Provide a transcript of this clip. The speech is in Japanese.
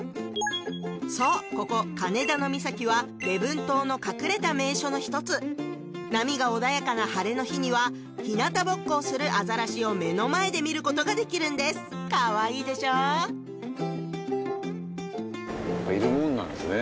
そうここ金田ノ岬は礼文島の隠れた名所のひとつ波が穏やかな晴れの日にはひなたぼっこをするアザラシを目の前で見ることができるんですかわいいでしょういるもんなんですね